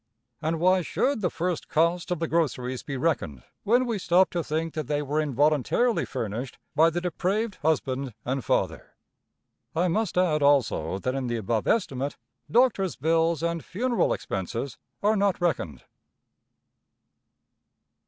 And why should the first cost of the groceries be reckoned, when we stop to think that they were involuntarily furnished by the depraved husband and father. I must add, also, that in the above estimate doctors' bills and funeral expenses are not reckoned.